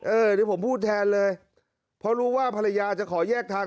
เดี๋ยวผมพูดแทนเลยเพราะรู้ว่าภรรยาจะขอแยกทาง